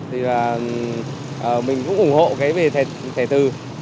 thì mình cũng ủng hộ cái về thẻ từ